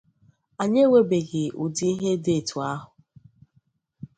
anyị enwebeghị ụdị ihe dị etu ahụ